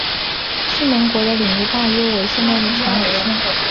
信浓国的领域大约为现在的长野县。